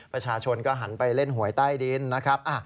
ประชาชนก็หันไปเล่นหวยใต้ดินนะครับ